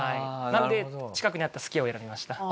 なので近くにあったすき家を選びました。